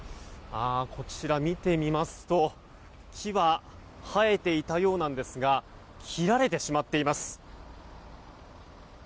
こちら見てみますと木は生えていたようなんですが切られてしまっています。